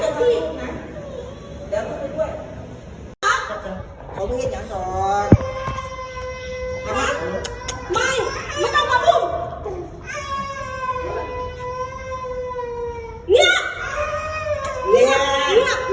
อ้าวยอมไปด่าเขาทำไมอ่ะเอ้าทำไมยอมทำอย่างเงี้ย